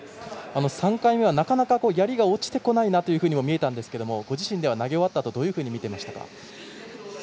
３回目は、なかなか、やりが落ちてこないなというふうにも見えたんですが、ご自身では投げ終わったあとどういうふうに見ていましたか？